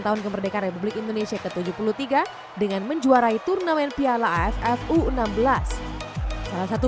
tahun kemerdekaan republik indonesia ke tujuh puluh tiga dengan menjuarai turnamen piala aff u enam belas salah satu